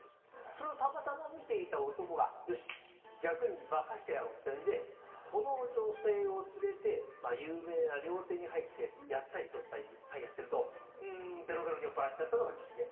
それをたまたま見ていた男が「よし逆に化かしてやろう」っていうんでこの女性を連れてまあ有名な料亭に入ってやったり取ったり一杯やってるとうんベロベロに酔っぱらっちゃったのがきつね。